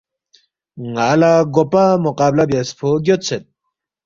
ن٘ا لہ گوپا مقابلہ بیاسفو گیودسید